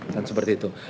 dan seperti itu